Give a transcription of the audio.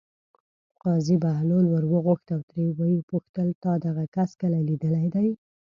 قاضي بهلول ور وغوښت او ترې ویې پوښتل: تا دغه کس کله لیدلی دی.